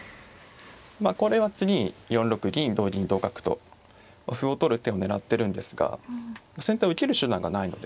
まあこれは次に４六銀同銀同角と歩を取る手を狙ってるんですが先手は受ける手段がないので。